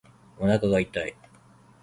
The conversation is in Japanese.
おなか痛い